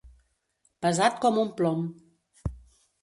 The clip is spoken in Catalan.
Pesat com un plom.